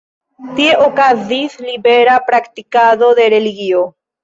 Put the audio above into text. Tie okazis libera praktikado de religio.